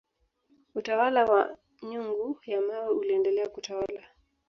utawala wa nyungu ya mawe uliendelea kutawala